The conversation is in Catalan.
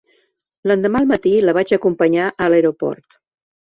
L'endemà al matí la vaig acompanyar a l'aeroport.